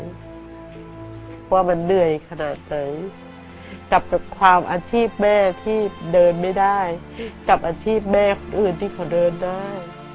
ว่ามันเหนื่อยขนาดไหนกับความอาชีพแม่ที่เดินไม่ได้กับอาชีพแม่คนอื่นที่เขาเดินได้